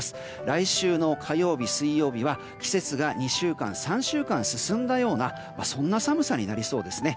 来週の火曜日、水曜日は季節が２週間３週間進んだような寒さになりそうですね。